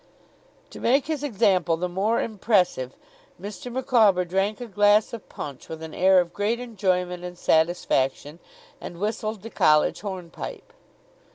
To make his example the more impressive, Mr. Micawber drank a glass of punch with an air of great enjoyment and satisfaction, and whistled the College Hornpipe.